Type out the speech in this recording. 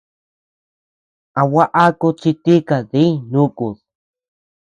¿A gua akud chi tika diñ nukud?